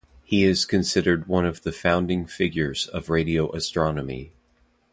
He is considered one of the founding figures of radio astronomy.